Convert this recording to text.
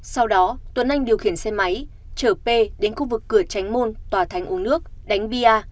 sau đó tuấn anh điều khiển xe máy chở p đến khu vực cửa tránh môn tòa thánh uống nước đánh bia